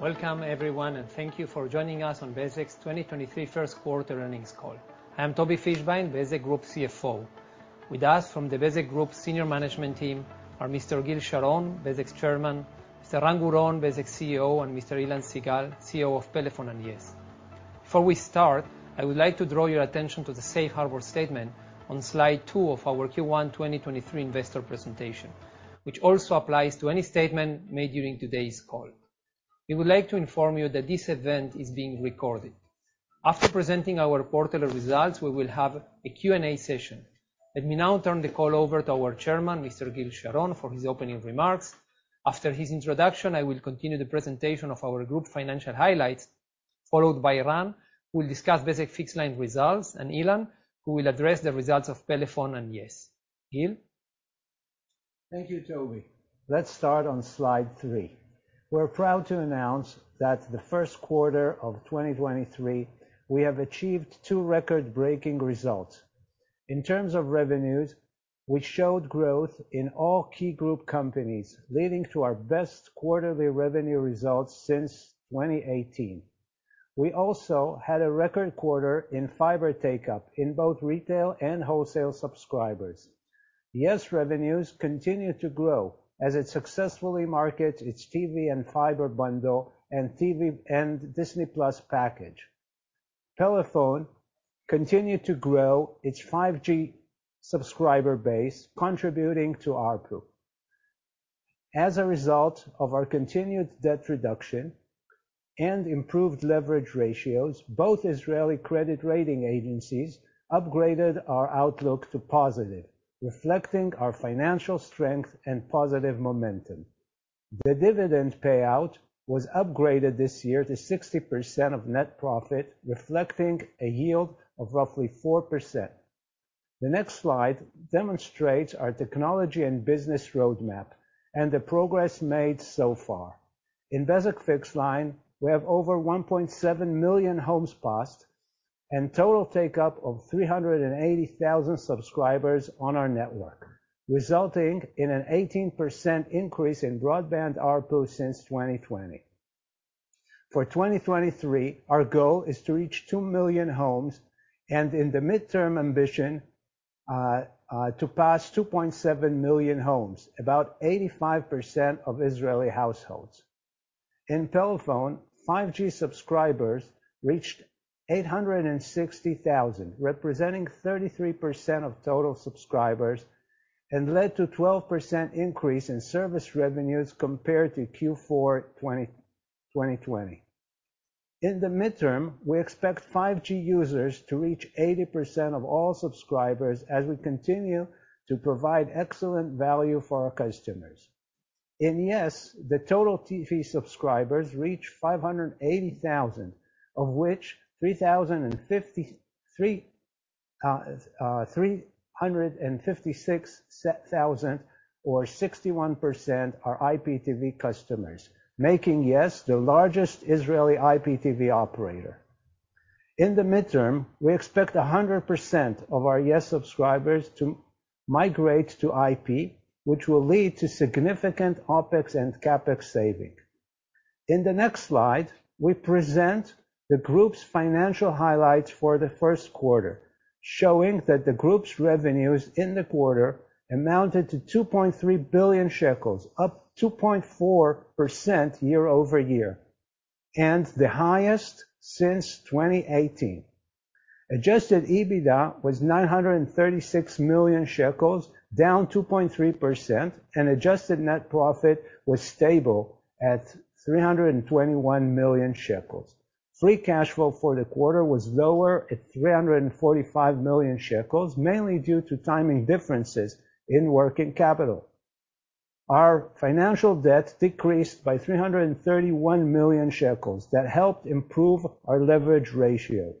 Welcome everyone, and thank you for joining us on Bezeq's 2023 first quarter earnings call. I am Tobi Fischbein, Bezeq Group CFO. With us from the Bezeq Group senior management team are Mr. Gil Sharon, Bezeq's Chairman, Mr. Ran Guron, Bezeq's CEO, and Mr. Ilan Sigal, CEO of Pelephone and yes. Before we start, I would like to draw your attention to the safe harbor statement on slide two of our Q1 2023 investor presentation, which also applies to any statement made during today's call. We would like to inform you that this event is being recorded. After presenting our quarterly results, we will have a Q&A session. Let me now turn the call over to our Chairman, Mr. Gil Sharon, for his opening remarks. After his introduction, I will continue the presentation of our group financial highlights, followed by Ran, who will discuss Bezeq Fixed Line results, and Ilan, who will address the results of Pelephone and yes. Gil? Thank you, Tobi. Let's start on slide three. We're proud to announce that the first quarter of 2023, we have achieved two record-breaking results. In terms of revenues, we showed growth in all key group companies, leading to our best quarterly revenue results since 2018. We also had a record quarter in fiber take-up in both retail and wholesale subscribers Yes revenues continue to grow as it successfully markets its TV and fiber bundle and TV and Disney+ package. Pelephone continued to grow its 5G subscriber base, contributing to ARPU. As a result of our continued debt reduction and improved leverage ratios, both Israeli credit rating agencies upgraded our outlook to positive, reflecting our financial strength and positive momentum. The dividend payout was upgraded this year to 60% of net profit, reflecting a yield of roughly 4%. The next slide demonstrates our technology and business roadmap and the progress made so far. In Bezeq Fixed Line, we have over 1.7 million homes passed and total take-up of 380,000 subscribers on our network, resulting in an 18% increase in broadband ARPU since 2020. For 2023, our goal is to reach 2 million homes and in the midterm ambition, to pass 2.7 million homes, about 85% of Israeli households. In Pelephone, 5G subscribers reached 860,000, representing 33% of total subscribers and led to 12% increase in service revenues compared to Q4 2020. In the midterm, we expect 5G users to reach 80% of all subscribers as we continue to provide excellent value for our customers. In Yes, the total TV subscribers reach 580,000, of which 356,000 or 61% are IPTV customers, making Yes the largest Israeli IPTV operator. In the midterm, we expect 100% of our Yes subscribers to migrate to IP, which will lead to significant OpEx and CapEx saving. In the next slide, we present the group's financial highlights for the first quarter, showing that the group's revenues in the quarter amounted to 2.3 billion shekels, up 2.4% year-over-year and the highest since 2018. Adjusted EBITDA was 936 million shekels, down 2.3%, and adjusted net profit was stable at 321 million shekels. Free cash flow for the quarter was lower at 345 million shekels, mainly due to timing differences in working capital. Our financial debt decreased by 331 million shekels. That helped improve our leverage ratio.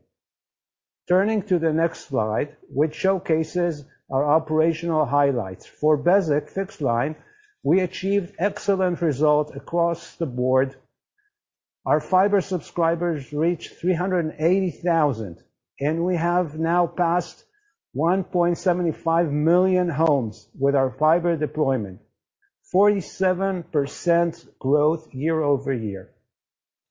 Turning to the next slide, which showcases our operational highlights. For Bezeq Fixed Line, we achieved excellent result across the board. Our fiber subscribers reached 380,000, and we have now passed 1.75 million homes with our fiber deployment, 47% growth year-over-year.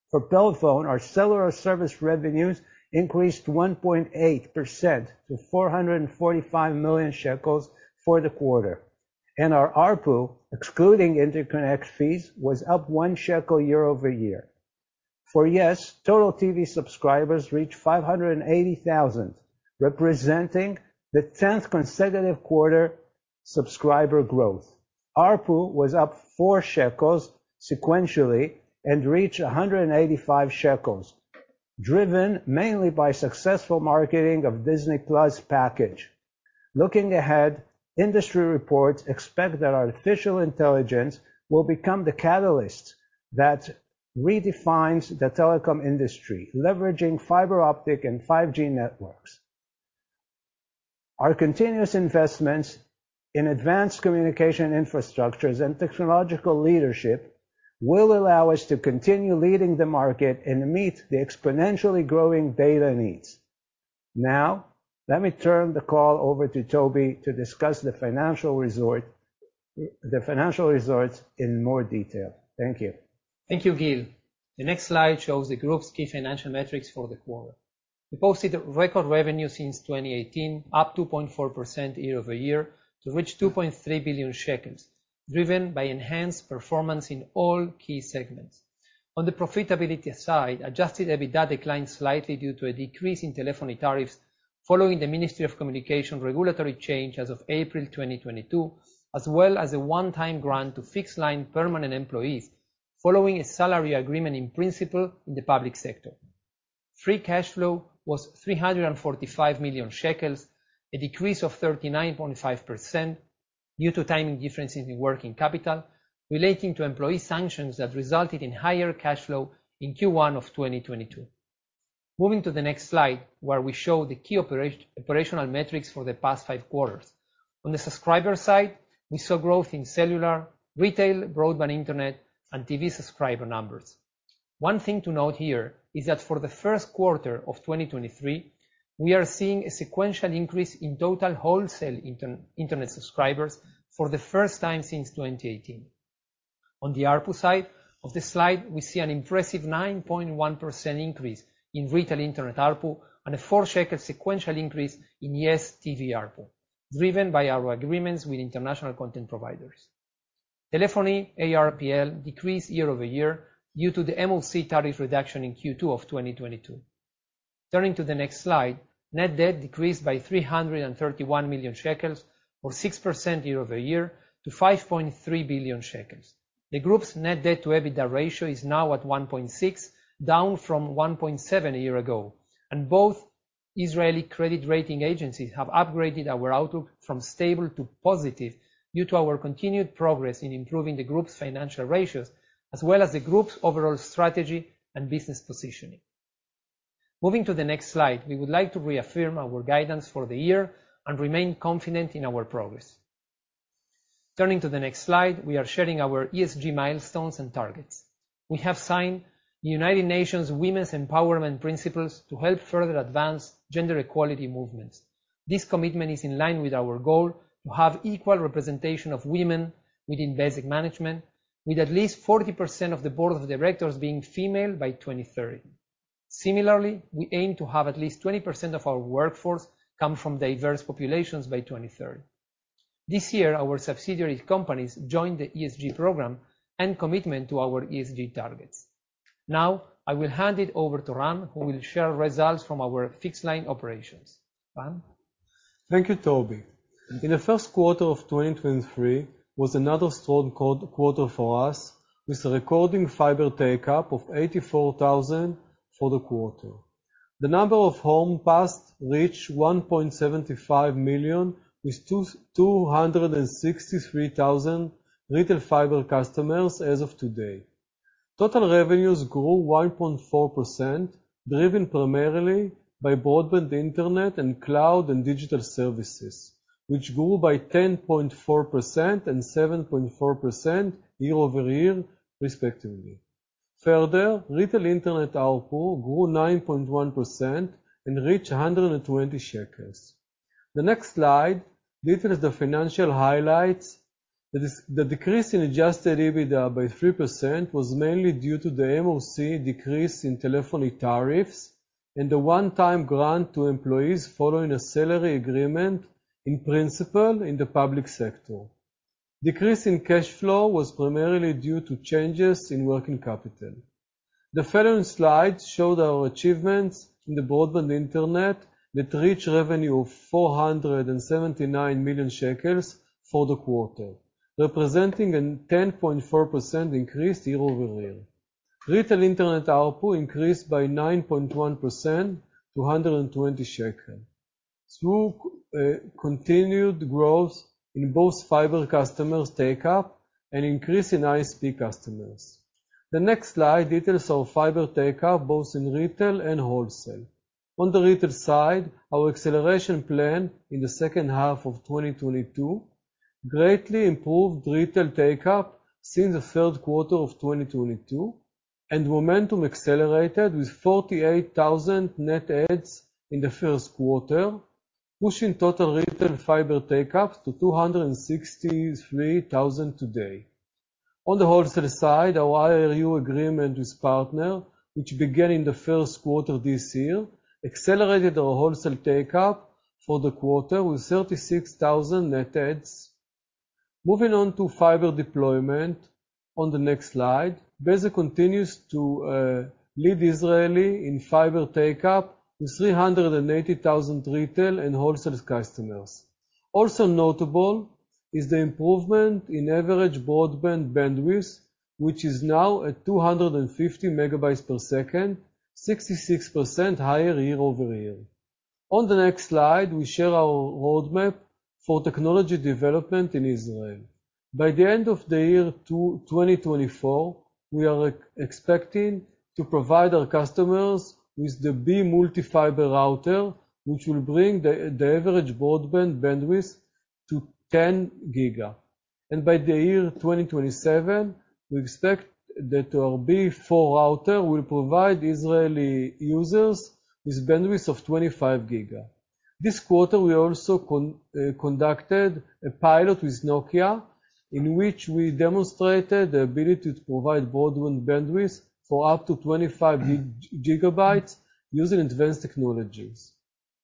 For Pelephone, our seller or service revenues increased 1.8% to 445 million shekels for the quarter, and our ARPU, excluding interconnect fees, was up 1 shekel year-over-year. For yes, total TV subscribers reached 580,000, representing the tenth consecutive quarter subscriber growth. ARPU was up 4 shekels sequentially and reached 185 shekels, driven mainly by successful marketing of Disney+ package. Looking ahead, industry reports expect that artificial intelligence will become the catalyst that redefines the telecom industry, leveraging fiber optic and 5G networks. Our continuous investments in advanced communication infrastructures and technological leadership will allow us to continue leading the market and meet the exponentially growing data needs. Let me turn the call over to Tobi to discuss the financial results in more detail. Thank you. Thank you, Gil. The next slide shows the group's key financial metrics for the quarter. We posted record revenue since 2018, up 2.4% year-over-year to reach 2.3 billion shekels, driven by enhanced performance in all key segments. On the profitability side, adjusted EBITDA declined slightly due to a decrease in telephony tariffs following the Ministry of Communications regulatory change as of April 2022, as well as a one-time grant to fixed line permanent employees following a salary agreement in principle in the public sector. Free cash flow was 345 million shekels, a decrease of 39.5% due to timing differences in working capital relating to employee sanctions that resulted in higher cash flow in Q1 2022. Moving to the next slide, where we show the key operational metrics for the past five quarters. On the subscriber side, we saw growth in cellular, retail, broadband internet, and TV subscriber numbers. One thing to note here is that for the first quarter of 2023, we are seeing a sequential increase in total wholesale inter-internet subscribers for the first time since 2018. On the ARPU side of the slide, we see an impressive 9.1% increase in retail internet ARPU and a 4 ILS sequential increase in yes TV ARPU, driven by our agreements with international content providers. Telephony ARPL decreased year-over-year due to the MOC tariff reduction in Q2 of 2022. Turning to the next slide, net debt decreased by 331 million shekels, or 6% year-over-year, to 5.3 billion shekels. The group's net debt to EBITDA ratio is now at 1.6, down from 1.7 a year ago. Both Israeli credit rating agencies have upgraded our outlook from stable to positive due to our continued progress in improving the group's financial ratios as well as the group's overall strategy and business positioning. Moving to the next slide, we would like to reaffirm our guidance for the year and remain confident in our progress. Turning to the next slide, we are sharing our ESG milestones and targets. We have signed the United Nations Women's Empowerment Principles to help further advance gender equality movements. This commitment is in line with our goal to have equal representation of women within Bezeq management, with at least 40% of the board of directors being female by 2030. Similarly, we aim to have at least 20% of our workforce come from diverse populations by 2030. This year, our subsidiary companies joined the ESG program and commitment to our ESG targets. I will hand it over to Ran, who will share results from our fixed line operations. Ran? Thank you, Tobi. In the first quarter of 2023 was another strong quarter for us, with a recording fiber take-up of 84,000 for the quarter. The number of home passed reached 1.75 million, with 263,000 retail fiber customers as of today. Total revenues grew 1.4%, driven primarily by broadband internet and cloud and digital services, which grew by 10.4% and 7.4% year-over-year respectively. Further, retail internet ARPU grew 9.1% and reached 120 shekels. The next slide details the financial highlights. The decrease in adjusted EBITDA by 3% was mainly due to the MOC decrease in telephony tariffs and a one-time grant to employees following a salary agreement in principle in the public sector. Decrease in cash flow was primarily due to changes in working capital. The following slides show our achievements in the broadband internet that reached revenue of 479 million shekels for the quarter, representing a 10.4% increase year-over-year. Retail internet ARPU increased by 9.1% to 120 shekels through continued growth in both fiber customers take-up and increase in ISP customers. The next slide details our fiber take-up both in retail and wholesale. On the retail side, our acceleration plan in the second half of 2022 greatly improved retail take-up since the third quarter of 2022. Momentum accelerated with 48,000 net adds in the first quarter, pushing total retail fiber take-up to 263,000 today. On the wholesale side, our IRU agreement with Partner, which began in the first quarter this year, accelerated our wholesale take-up for the quarter with 36,000 net adds. Moving on to fiber deployment on the next slide. Bezeq continues to lead Israeli in fiber take-up with 380,000 retail and wholesale customers. Also notable is the improvement in average broadband bandwidth, which is now at 250 Mbps, 66% higher year-over-year. On the next slide, we share our roadmap for technology development in Israel. By the end of 2024, we are expecting to provide our customers with the Be Multi Fiber router, which will bring the average broadband bandwidth to 10 Gbps. By 2027, we expect that our Be4 router will provide Israeli users with bandwidth of 25 Gbps. This quarter, we also conducted a pilot with Nokia in which we demonstrated the ability to provide broadband bandwidth for up to 25 gigabytes using advanced technologies.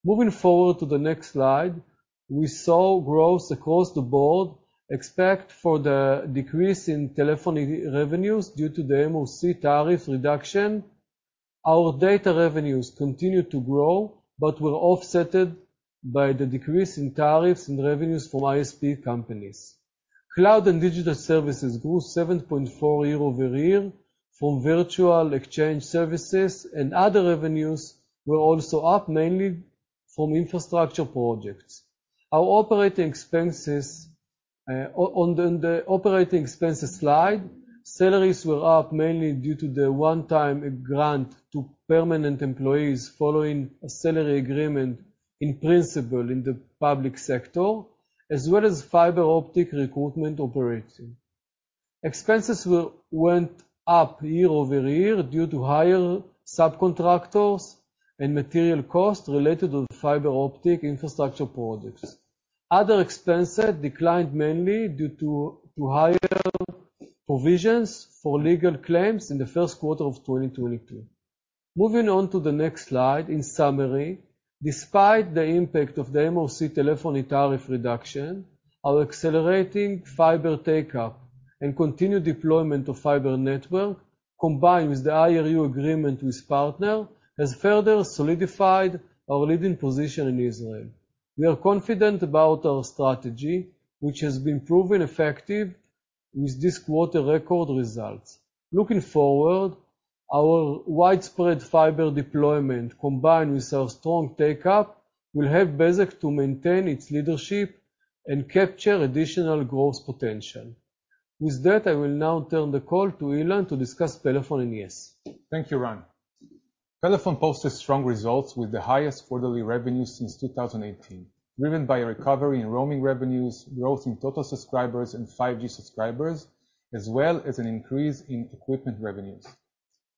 Moving forward to the next slide. We saw growth across the board, except for the decrease in telephony revenues due to the MOC tariff reduction. Our data revenues continued to grow, but were offset by the decrease in tariffs and revenues from ISP companies. Cloud and digital services grew 7.4% year-over-year from virtual exchange services, and other revenues were also up, mainly from infrastructure projects. Our operating expenses, on the operating expenses slide, salaries were up mainly due to the one-time grant to permanent employees following a salary agreement in principle in the public sector, as well as fiber optic recruitment. Expenses went up year-over-year due to higher subcontractors and material costs related to the fiber optic infrastructure projects. Other expenses declined mainly due to higher provisions for legal claims in the first quarter of 2022. Moving on to the next slide. In summary, despite the impact of the MOC telephony tariff reduction, our accelerating fiber take-up and continued deployment of fiber network, combined with the IRU agreement with Partner, has further solidified our leading position in Israel. We are confident about our strategy, which has been proven effective with this quarter record results. Looking forward, our widespread fiber deployment, combined with our strong take-up, will help Bezeq to maintain its leadership and capture additional growth potential. With that, I will now turn the call to Ilan to discuss Pelephone and yes. Thank you, Ran. Pelephone posted strong results with the highest quarterly revenue since 2018, driven by a recovery in roaming revenues, growth in total subscribers and 5G subscribers, as well as an increase in equipment revenues.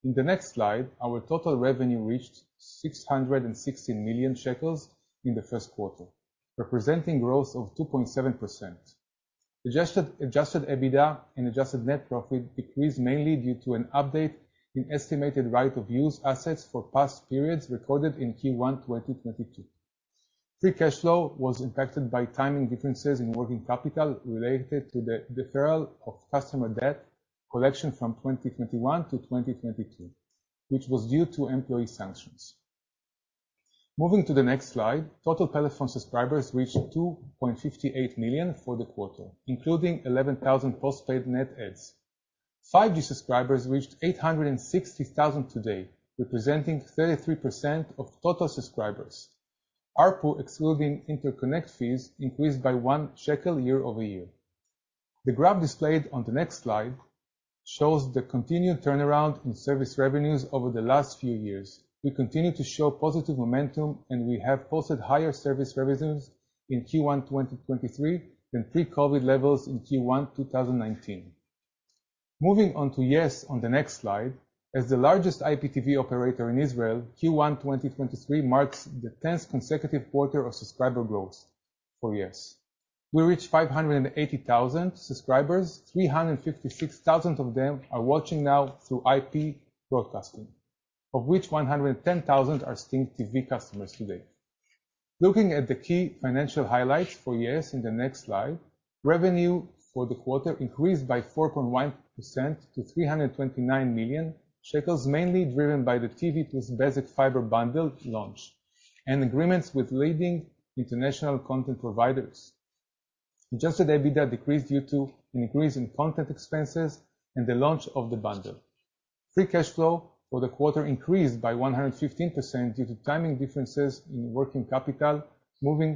In the next slide, our total revenue reached 660 million shekels in the first quarter, representing growth of 2.7%. Adjusted EBITDA and adjusted net profit decreased mainly due to an update in estimated right of use assets for past periods recorded in Q1 2022. Free cash flow was impacted by timing differences in working capital related to the deferral of customer debt collection from 2021 to 2022, which was due to employee sanctions. Moving to the next slide, total Pelephone subscribers reached 2.58 million for the quarter, including 11,000 postpaid net adds. 5G subscribers reached 860,000 today, representing 33% of total subscribers. ARPU, excluding interconnect fees, increased by 1 ILS shekel year-over-year. The graph displayed on the next slide shows the continued turnaround in service revenues over the last few years. We continue to show positive momentum. We have posted higher service revenues in Q1 2023 than pre-COVID levels in Q1 2019. Moving on to Yes on the next slide. As the largest IPTV operator in Israel, Q1 2023 marks the 10th consecutive quarter of subscriber growth for Yes. We reached 580,000 subscribers. 356,000 of them are watching now through IP broadcasting, of which 110,000 are STINGTV customers today. Looking at the key financial highlights for yes in the next slide, revenue for the quarter increased by 4.1% to 329 million shekels, mainly driven by the TV plus Bezeq fiber bundle launch and agreements with leading international content providers. Adjusted EBITDA decreased due to an increase in content expenses and the launch of the bundle. Free cash flow for the quarter increased by 115% due to timing differences in working capital. Moving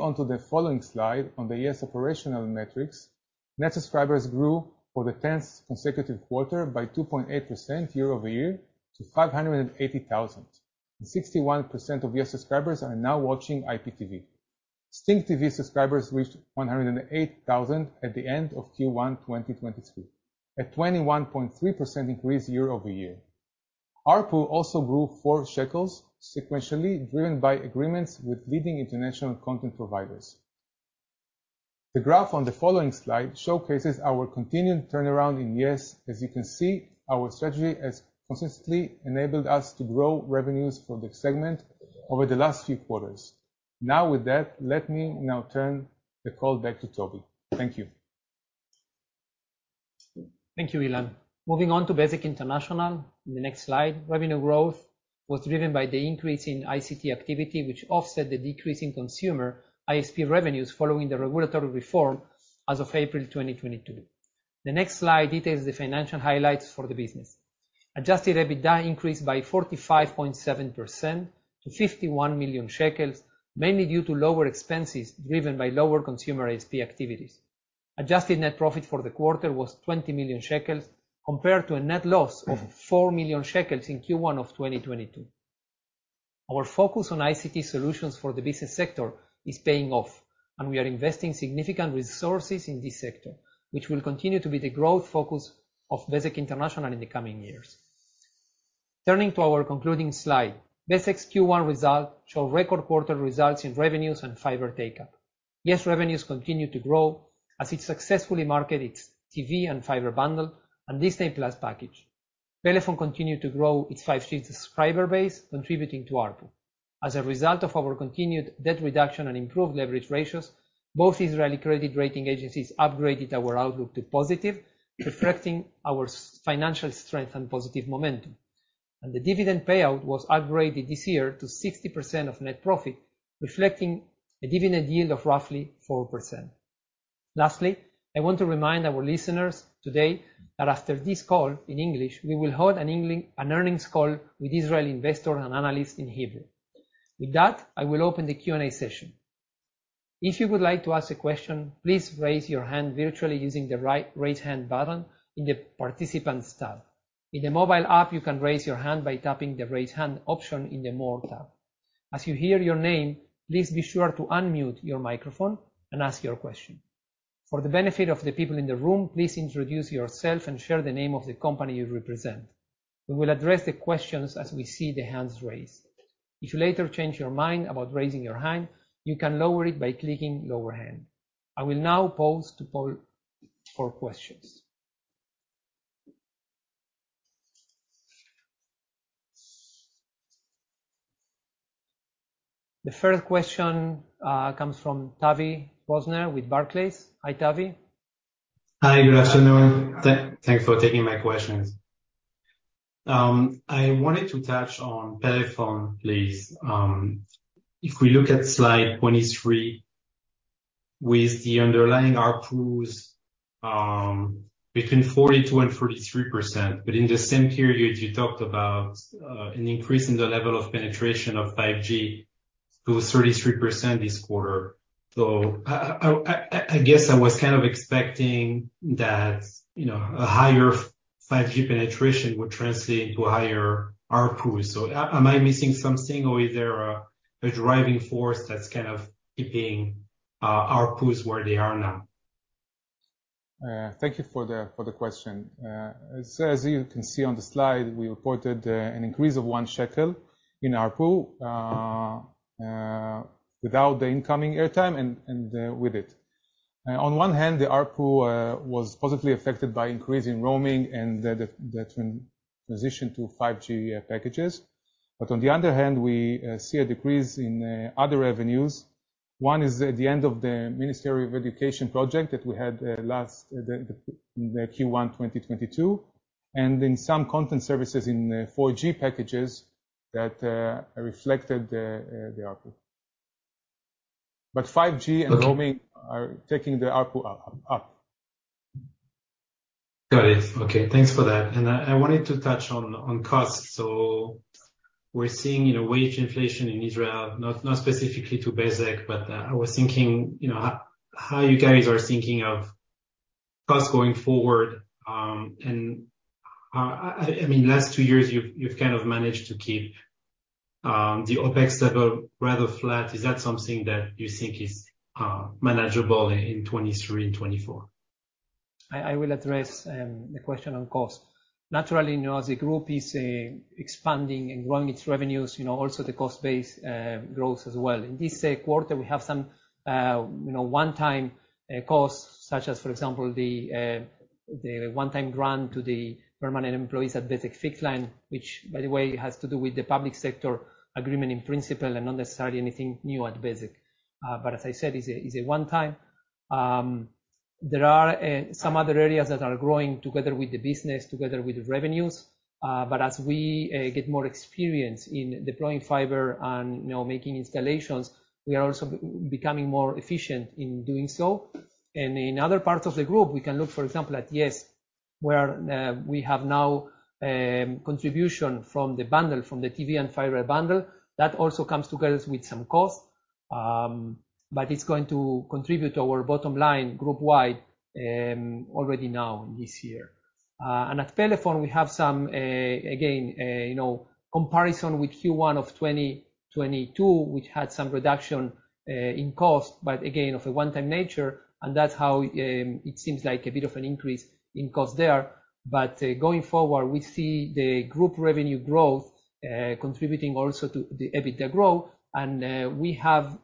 on to the following slide on the yes operational metrics. Net subscribers grew for the 10th consecutive quarter by 2.8% year-over-year to 580,000, and 61% of yes subscribers are now watching IPTV. STINGTV subscribers reached 108,000 at the end of Q1 2022, at 21.3% increase year-over-year. ARPU also grew 4 shekels sequentially, driven by agreements with leading international content providers. The graph on the following slide showcases our continued turnaround in yes. As you can see, our strategy has consistently enabled us to grow revenues for the segment over the last few quarters. With that, let me now turn the call back to Tobi. Thank you. Thank you, Ilan. Moving on to Bezeq International in the next slide. Revenue growth was driven by the increase in ICT activity, which offset the decrease in consumer ISP revenues following the regulatory reform as of April 2022. The next slide details the financial highlights for the business. Adjusted EBITDA increased by 45.7% to 51 million shekels, mainly due to lower expenses driven by lower consumer ISP activities. Adjusted net profit for the quarter was 20 million shekels, compared to a net loss of 4 million shekels in Q1 of 2022. Our focus on ICT solutions for the business sector is paying off. We are investing significant resources in this sector, which will continue to be the growth focus of Bezeq International in the coming years. Turning to our concluding slide, Bezeq's Q1 result showed record quarter results in revenues and fiber take-up. Yes, revenues continue to grow as it successfully market its TV and fiber bundle and Disney+ package. Pelephone continued to grow its 5G subscriber base, contributing to ARPU. As a result of our continued debt reduction and improved leverage ratios, both Israeli credit rating agencies upgraded our outlook to positive, reflecting our financial strength and positive momentum. The dividend payout was upgraded this year to 60% of net profit, reflecting a dividend yield of roughly 4%. Lastly, I want to remind our listeners today that after this call in English, we will hold an earnings call with Israeli investors and analysts in Hebrew. With that, I will open the Q&A session. If you would like to ask a question, please raise your hand virtually using the raise hand button in the Participants tab. In the mobile app, you can raise your hand by tapping the Raise Hand option in the More tab. As you hear your name, please be sure to unmute your microphone and ask your question. For the benefit of the people in the room, please introduce yourself and share the name of the company you represent. We will address the questions as we see the hands raised. If you later change your mind about raising your hand, you can lower it by clicking Lower Hand. I will now pause to poll for questions. The first question, comes from Tavy Rosner with Barclays. Hi, Tavy. Hi. Good afternoon. Thanks for taking my questions. I wanted to touch on Pelephone, please. If we look at slide 23 with the underlying ARPUs, between 40%-43%, in the same period, you talked about an increase in the level of penetration of 5G to 33% this quarter. I guess I was kind of expecting that, you know, a higher 5G penetration would translate to higher ARPUs. Am I missing something or is there a driving force that's kind of keeping ARPUs where they are now? Thank you for the question. As you can see on the slide, we reported an increase of 1 shekel in ARPU, without the incoming airtime and with it. On one hand, the ARPU was positively affected by increase in roaming and the transition to 5G packages. On the other hand, we see a decrease in other revenues. One is at the end of the Ministry of Education project that we had Q1 2022, and in some content services in 4G packages that reflected the ARPU. 5G and roaming are taking the ARPU up. Got it. Okay, thanks for that. I wanted to touch on costs. We're seeing, you know, wage inflation in Israel, not specifically to Bezeq, but I was thinking, you know, how you guys are thinking of costs going forward. I mean, last two years, you've kind of managed to keep the OpEx level rather flat. Is that something that you think is manageable in 2023 and 2024? I will address the question on cost. Naturally, you know, as the group is expanding and growing its revenues, you know, also the cost base grows as well. In this quarter, we have some, you know, one-time costs, such as, for example, the one-time grant to the permanent employees at Bezeq Fixed Line, which, by the way, has to do with the public sector agreement in principle and not necessarily anything new at Bezeq. As I said, it's a one-time. There are some other areas that are growing together with the business, together with the revenues. As we get more experience in deploying fiber and, you know, making installations, we are also becoming more efficient in doing so. In other parts of the group, we can look, for example, at yes, where we have now contribution from the bundle, from the TV and fiber bundle. That also comes together with some cost, but it's going to contribute to our bottom line group wide already now in this year. At Pelephone, we have some again, you know, comparison with Q1 of 2022, which had some reduction in cost, but again, of a one-time nature, and that's how it seems like a bit of an increase in cost there. Going forward, we see the group revenue growth contributing also to the EBITDA growth. We have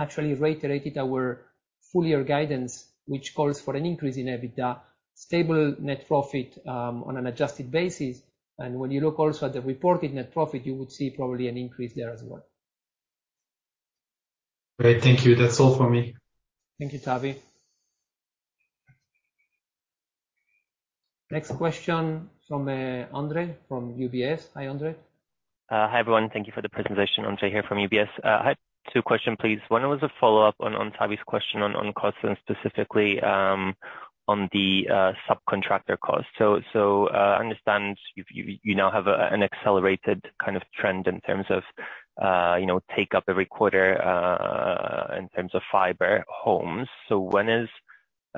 actually reiterated our full year guidance, which calls for an increase in EBITDA, stable net profit on an adjusted basis. When you look also at the reported net profit, you would see probably an increase there as well. Great. Thank you. That's all for me. Thank you, Tavy. Next question from Andre from UBS. Hi, Andre. Hi, everyone. Thank you for the presentation. Andre here from UBS. I had two question, please. One was a follow-up on Tavy question on cost and specifically on the subcontractor cost. I understand you now have an accelerated kind of trend in terms of, you know, take up every quarter in terms of fiber homes.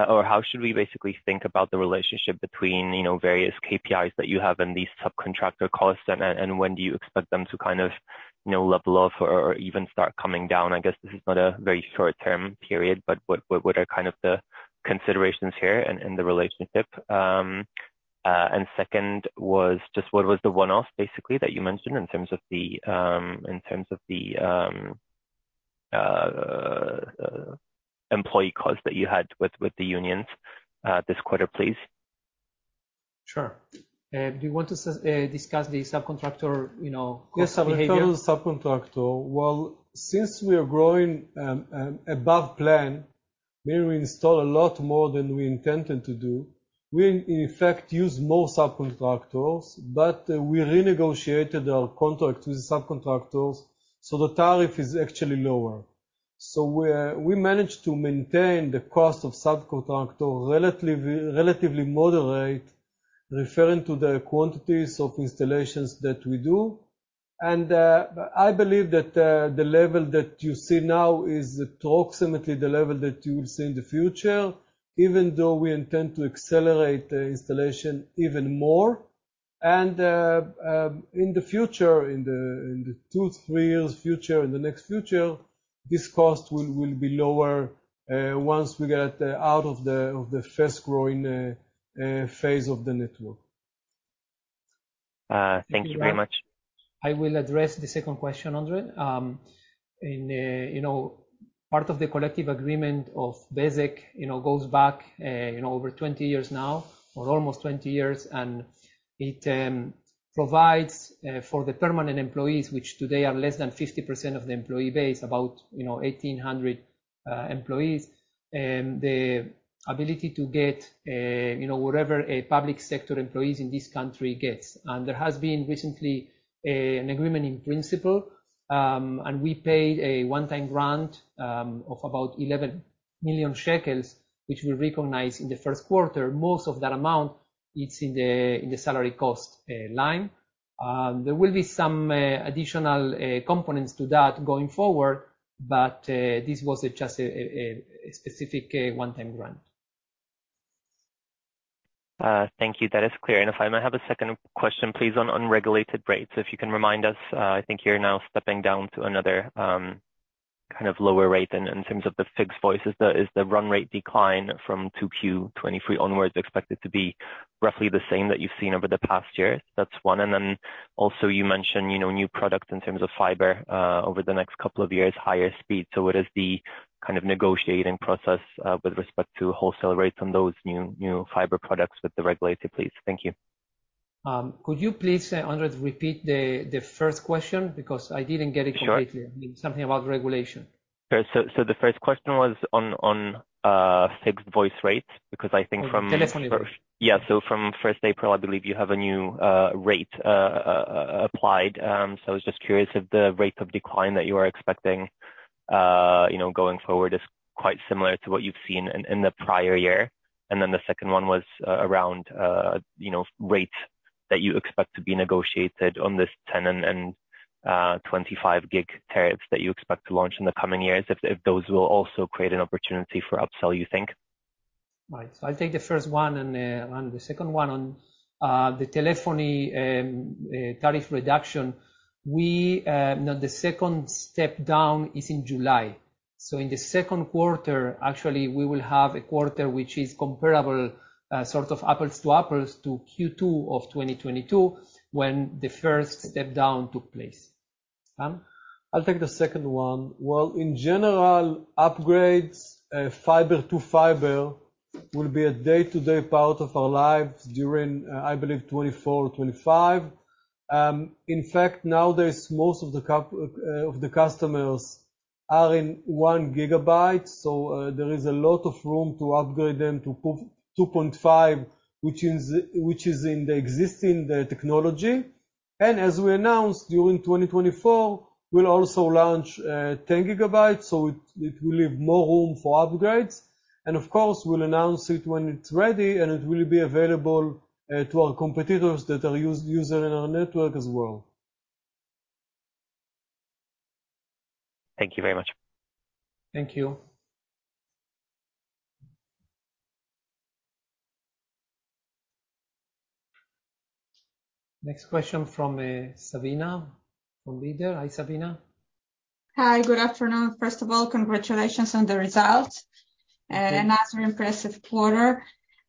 Or how should we basically think about the relationship between, you know, various KPIs that you have and these subcontractor costs? When do you expect them to kind of, you know, level off or even start coming down? I guess this is not a very short-term period, but what are kind of the considerations here and the relationship? Second was just what was the one-off basically that you mentioned in terms of the, in terms of the, employee costs that you had with the unions, this quarter, please? Sure. Do you want to discuss the subcontractor, you know, cost behavior? Subcontractor. Since we are growing above plan, meaning we install a lot more than we intended to do, we in fact use more subcontractors. We renegotiated our contract with subcontractors, the tariff is actually lower. We managed to maintain the cost of subcontractor relatively moderate, referring to the quantities of installations that we do. I believe that the level that you see now is approximately the level that you will see in the future, even though we intend to accelerate the installation even more. In the future, in the 2, 3 years future, in the next future, this cost will be lower once we get out of the fast-growing phase of the network. thank you very much. I will address the second question, Andre. In part of the collective agreement of Bezeq, goes back over 20 years now, or almost 20 years, and it provides for the permanent employees, which today are less than 50% of the employee base, about 1,800 employees, the ability to get whatever a public sector employees in this country gets. There has been recently an agreement in principle, and we paid a one-time grant of about 11 million shekels, which we recognize in the first quarter. Most of that amount, it's in the salary cost line. There will be some additional components to that going forward, but this was just a specific one-time grant. Thank you. That is clear. If I may have a second question, please, on unregulated rates. If you can remind us, I think you're now stepping down to another kind of lower rate in terms of the fixed voice. Is the run rate decline from 2Q23 onwards expected to be roughly the same that you've seen over the past year? That's one. Then also you mentioned, you know, new product in terms of fiber over the next couple of years, higher speed. What is the kind of negotiating process with respect to wholesale rates on those new fiber products with the regulator, please? Thank you. Could you please, Andre, repeat the first question because I didn't get it completely. Sure. Something about regulation. The first question was on fixed voice rates. Telephone. Yeah. From first April, I believe you have a new rate applied. I was just curious if the rate of decline that you are expecting, you know, going forward is quite similar to what you've seen in the prior year. The second one was around, you know, rates that you expect to be negotiated on this 10 and 25 gig tariffs that you expect to launch in the coming years, if those will also create an opportunity for upsell, you think? I'll take the first one and on the second one on the telephony tariff reduction. We now the second step down is in July. In the second quarter, actually, we will have a quarter which is comparable, sort of apples to apples to Q2 of 2022 when the first step down took place. Sam? I'll take the second one. Well, in general, upgrades, fiber to fiber will be a day-to-day part of our lives during, I believe, 2024 to 2025. In fact, nowadays, most of the customers are in 1 gigabyte, so there is a lot of room to upgrade them to 2.5, which is in the existing technology. As we announced during 2024, we'll also launch, 10 gigabytes, so it will leave more room for upgrades. Of course, we'll announce it when it's ready, and it will be available to our competitors that are using our network as well. Thank you very much. Thank you. Next question from Sabina from Leader. Hi, Sabina. Hi, good afternoon. First of all, congratulations on the results. Thank you. Another impressive quarter.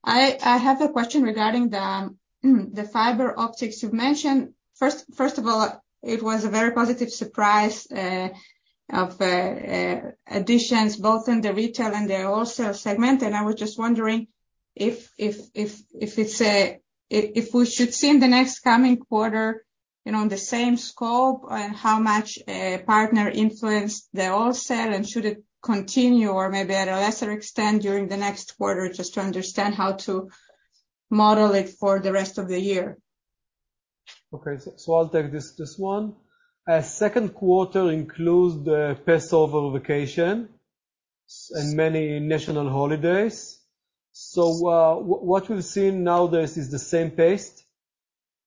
I have a question regarding the fiber optics you've mentioned. First of all, it was a very positive surprise, of additions both in the retail and the wholesale segment. I was just wondering if it's a... If we should see in the next coming quarter, you know, the same scope and how much Partner influenced the wholesale, and should it continue or maybe at a lesser extent during the next quarter, just to understand how to model it for the rest of the year. Okay. So I'll take this one. Second quarter includes the Passover vacation and many national holidays. What we've seen nowadays is the same pace.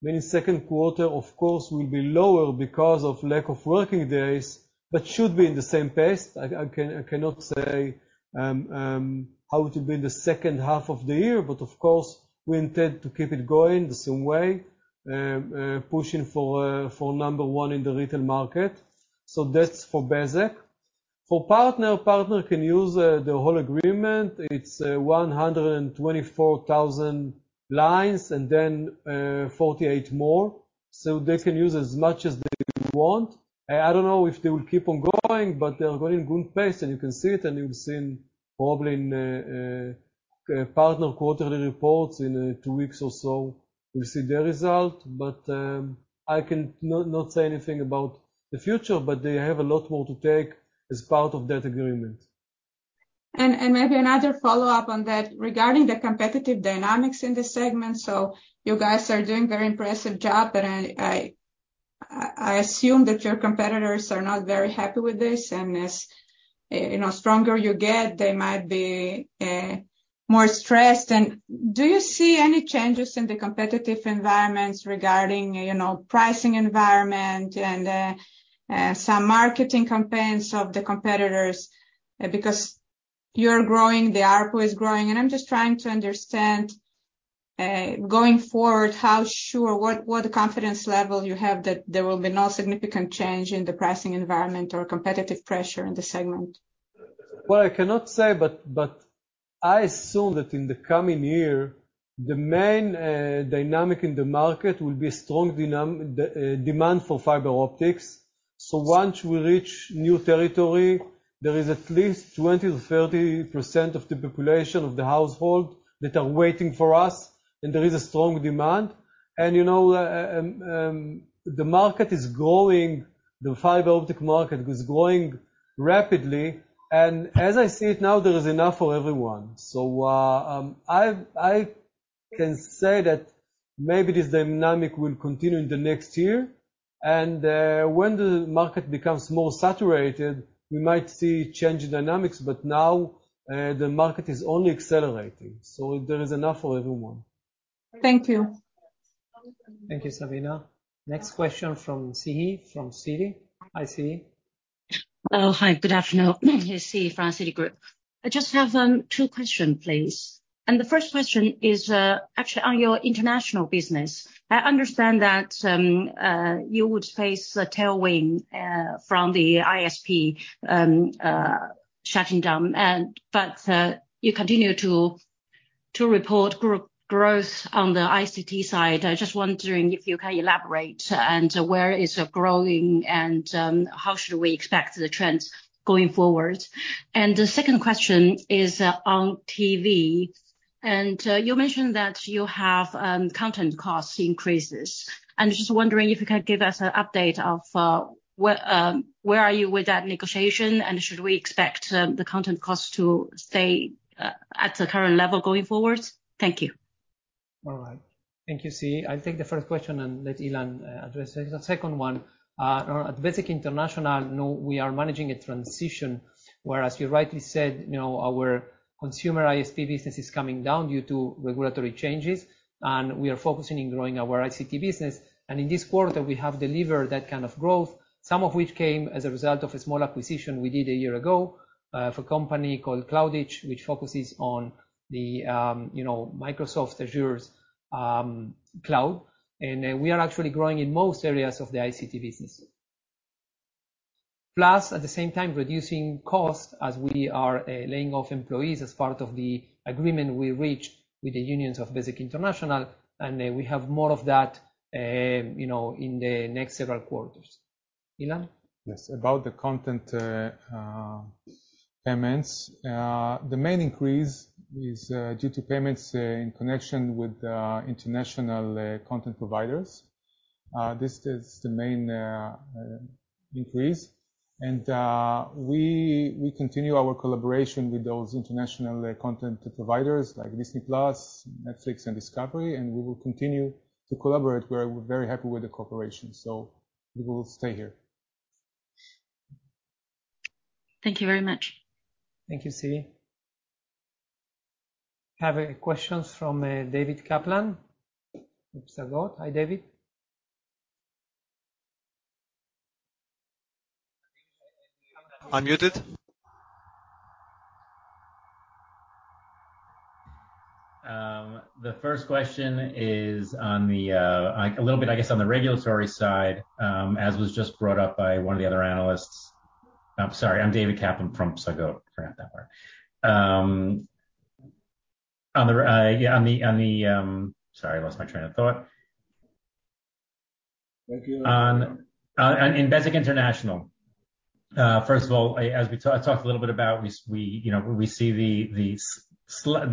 Meaning second quarter, of course, will be lower because of lack of working days, but should be in the same pace. I cannot say how it will be in the second half of the year, but of course, we intend to keep it going the same way. Pushing for number one in the retail market. That's for Bezeq. For Partner can use the whole agreement. It's 124,000 lines, and then 48 more, so they can use as much as they want. I don't know if they will keep on growing, but they are growing good pace and you can see it, and you've seen probably in Partner quarterly reports in two weeks or so, we'll see their result. I can not say anything about the future, but they have a lot more to take as part of that agreement. Maybe another follow-up on that. Regarding the competitive dynamics in this segment, so you guys are doing very impressive job, and I assume that your competitors are not very happy with this. As, you know, stronger you get, they might be more stressed. Do you see any changes in the competitive environments regarding, you know, pricing environment and some marketing campaigns of the competitors? Because you're growing, the ARPU is growing, and I'm just trying to understand going forward, how sure... what confidence level you have that there will be no significant change in the pricing environment or competitive pressure in the segment? Well, I cannot say, but I assume that in the coming year, the main dynamic in the market will be strong demand for fiber optics. Once we reach new territory, there is at least 20%-30% of the population of the household that are waiting for us, and there is a strong demand. You know, the market is growing, the fiber optic market is growing rapidly. As I see it now, there is enough for everyone. I can say that maybe this dynamic will continue in the next year. When the market becomes more saturated, we might see a change in dynamics, but now, the market is only accelerating, so there is enough for everyone. Thank you. Thank you, Sabina. Next question from Siye, from Citi. Hi, Siye. Oh, hi. Good afternoon. It's Siye from Citigroup. I just have two question, please. The first question is actually on your international business. I understand that you would face a tailwind from the ISP shutting down. You continue to report growth on the ICT side. I'm just wondering if you can elaborate and where is it growing and how should we expect the trends going forward? The second question is on TV. You mentioned that you have content cost increases. I'm just wondering if you could give us an update of where are you with that negotiation, and should we expect the content cost to stay at the current level going forward? Thank you. All right. Thank you, Siye. I'll take the first question and let Ilan address the second one. At Bezeq International, you know, we are managing a transition, where, as you rightly said, you know, our consumer ISP business is coming down due to regulatory changes, and we are focusing in growing our ICT business. In this quarter, we have delivered that kind of growth, some of which came as a result of a small acquisition we did a year ago, of a company called CloudEdge, which focuses on the, you know, Microsoft Azure's cloud. We are actually growing in most areas of the ICT business. At the same time, reducing costs as we are, laying off employees as part of the agreement we reached with the unions of Bezeq International. We have more of that, you know, in the next several quarters. Ilan? Yes. About the content, payments, the main increase is due to payments in connection with international content providers. This is the main increase. We, we continue our collaboration with those international content providers like Disney+, Netflix and Discovery. We will continue to collaborate. We're very happy with the cooperation, so we will stay here. Thank you very much. Thank you, Si. Have a questions from David Kaplan, Psagot. Hi, David. Unmuted. The first question is on the a little bit, I guess, on the regulatory side, as was just brought up by one of the other analysts. I'm sorry. I'm David Kaplan from Psagot. Forgot that part. On the yeah, on the, on the. Sorry, I lost my train of thought. Thank you. On Bezeq International. First of all, as we talked a little bit about, we, you know, we see the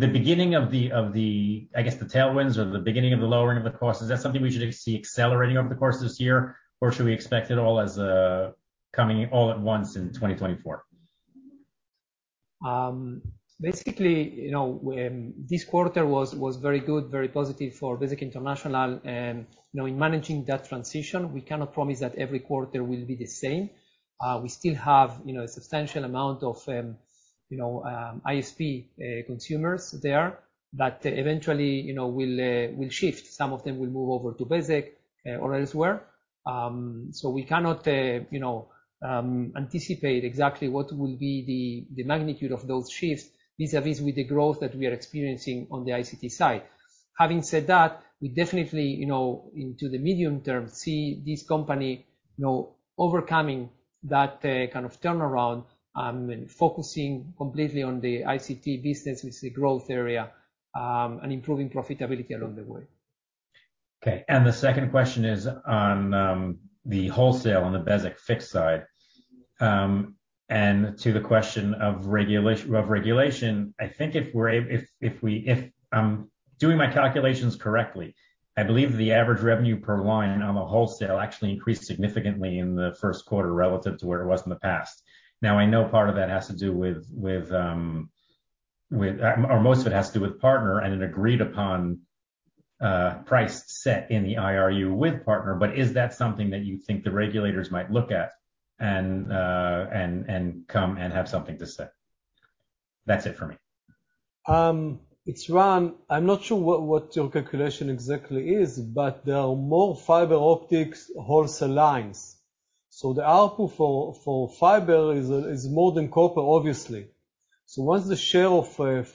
beginning of the, I guess, the tailwinds or the beginning of the lowering of the cost. Is that something we should see accelerating over the course of this year, or should we expect it all as coming all at once in 2024? Basically, you know, when this quarter was very good, very positive for Bezeq International. You know, in managing that transition, we cannot promise that every quarter will be the same. We still have, you know, a substantial amount of, you know, ISP consumers there, but eventually, you know, we'll shift. Some of them will move over to Bezeq or elsewhere. We cannot, you know, anticipate exactly what will be the magnitude of those shifts vis-a-vis with the growth that we are experiencing on the ICT side. Having said that, we definitely, you know, into the medium term, see this company, you know, overcoming that kind of turnaround and focusing completely on the ICT business, which is a growth area and improving profitability along the way. Okay. The second question is on the wholesale on the Bezeq Fixed Line side. To the question of regulation, I think if we're able... If we, if I'm doing my calculations correctly, I believe the average revenue per line on the wholesale actually increased significantly in the first quarter relative to where it was in the past. Now, I know part of that has to do with or most of it has to do with Partner and an agreed upon price set in the IRU with Partner. Is that something that you think the regulators might look at and come and have something to say? That's it for me. It's Ran. I'm not sure what your calculation exactly is, there are more fiber optics wholesale lines. The output for fiber is more than copper, obviously. Once the share of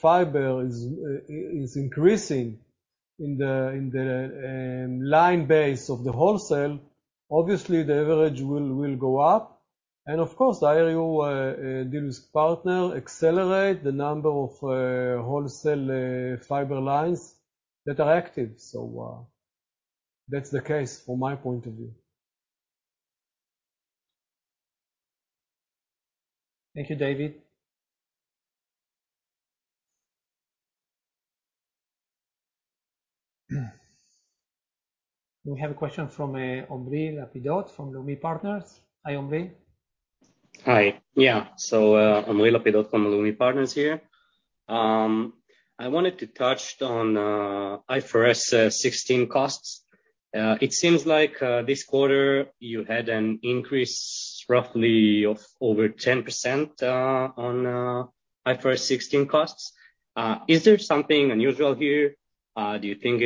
fiber is increasing in the line base of the wholesale, obviously the average will go up. Of course, IRU deals with Partner accelerate the number of wholesale fiber lines that are active. That's the case from my point of view. Thank you, David. We have a question from Omri Lapidot from Leumi Partners. Hi, Omri. Hi. Yeah. Omri Lapidot from Leumi Partners here. I wanted to touch on IFRS 16 costs. It seems like this quarter you had an increase roughly of over 10% on IFRS 16 costs. Is there something unusual here, do you think?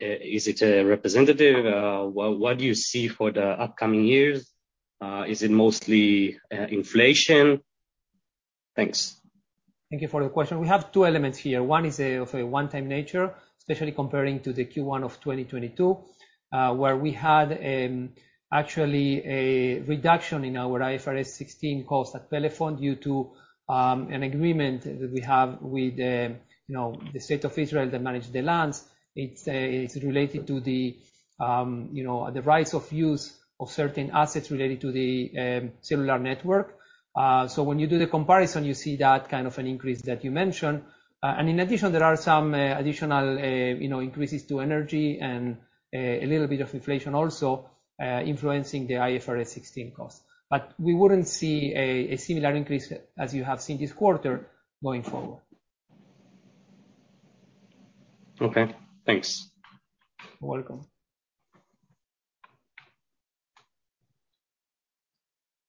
Is it representative? What, what do you see for the upcoming years? Is it mostly inflation? Thanks. Thank you for the question. We have two elements here. One is of a 1-time nature, especially comparing to the Q1 of 2022, where we had actually a reduction in our IFRS 16 costs at Pelephone due to an agreement that we have with, you know, the State of Israel that manage the lands. It's related to the, you know, the rights of use of certain assets related to the cellular network. When you do the comparison, you see that kind of an increase that you mentioned. In addition, there are some additional, you know, increases to energy and a little bit of inflation also influencing the IFRS 16 costs. We wouldn't see a similar increase as you have seen this quarter going forward. Okay, thanks. You're welcome.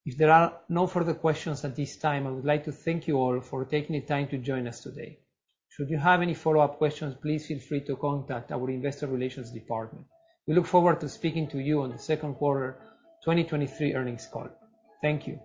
If there are no further questions at this time, I would like to thank you all for taking the time to join us today. Should you have any follow-up questions, please feel free to contact our investor relations department. We look forward to speaking to you on the second quarter 2023 earnings call. Thank you.